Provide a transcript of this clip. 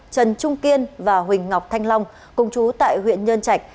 trần trung kiên và huỳnh ngọc thanh long cùng chú tại huyện nhân trạch